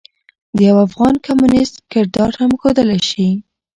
د يوافغان کميونسټ کردار هم ښودلے شي.